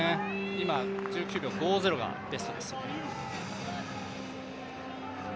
今、１９秒５０がベストです。